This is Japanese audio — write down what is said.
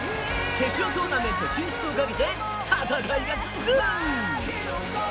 決勝トーナメント進出を懸けて戦いが続く。